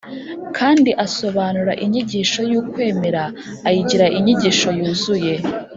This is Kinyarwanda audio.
kandi asobanura inyigisho y’ukwemera ayigira inyigisho yuzuye